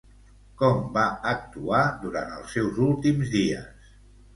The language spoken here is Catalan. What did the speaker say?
Com va actuar durant els seus últims dies?